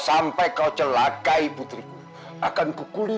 apakah kamu akan mencub fatoatcher kembali